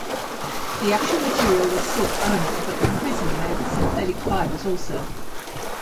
The actual material was silk only but increasingly made with synthetic fibers also.